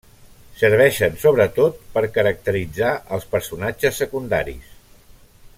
Serveixen sobretot per caracteritzar els personatges secundaris.